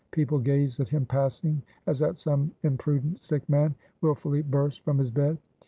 People gaze at him passing, as at some imprudent sick man, willfully burst from his bed.